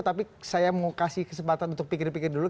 tapi saya mau kasih kesempatan untuk pikir pikir dulu